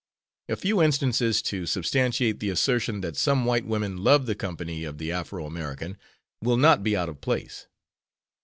A few instances to substantiate the assertion that some white women love the company of the Afro American will not be out of place.